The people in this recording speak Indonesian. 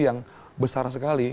yang besar sekali